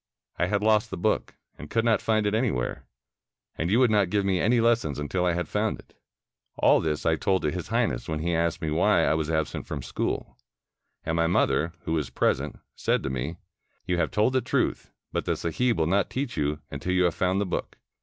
I had lost the book, and could not find it anywhere, and you would not give me any lessons until I had found it. All this I told to His Highness, when he asked me why I was absent from school. And my mother, who was present, said to me, 'You have told the truth, but the sahib will not teach you, until you have found the book.